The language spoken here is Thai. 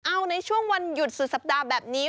เอาในช่วงวันหยุดสุดสัปดาห์แบบนี้